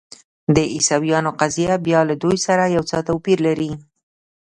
د عیسویانو قضیه بیا له دوی سره یو څه توپیر لري.